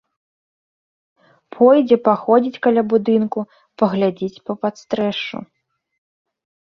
Пойдзе паходзіць каля будынку, паглядзіць па падстрэшшу.